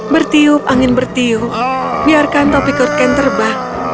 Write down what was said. bertiup angin bertiup biarkan topi kurgen terbah